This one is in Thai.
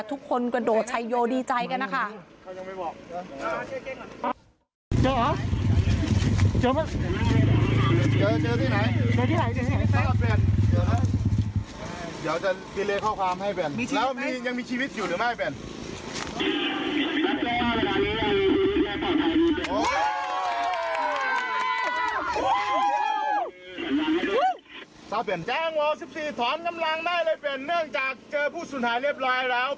ทุกคนดวงไชโยดีใจกันนะคะ